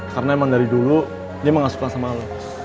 karena emang dari dulu dia gak suka sama lo